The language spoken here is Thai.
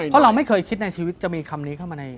เพราะเราไม่เคยคิดในชีวิตจะมีคำนี้เข้ามาใน